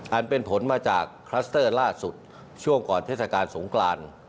อันเป็นผลมาจากคลัสเตอร์ล่าสุดช่วงก่อนเทศกาลสงกราน